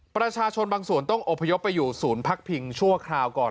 ประชาชนบางส่วนต้องอบพยพไปอยู่ศูนย์พักพิงชั่วคราวก่อน